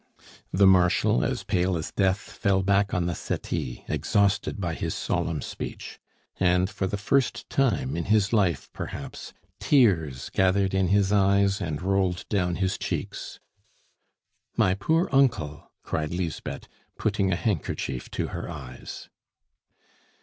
The Marshal, as pale as death, fell back on the settee, exhausted by his solemn speech. And, for the first time in his life perhaps, tears gathered in his eyes and rolled down his cheeks. "My poor uncle!" cried Lisbeth, putting a handkerchief to her eyes.